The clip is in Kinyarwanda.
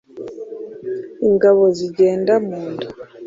ingabo zigenda mu nda